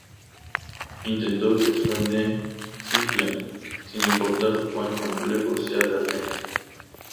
Intento que suene simple, sin importar cuán complejo sea realmente".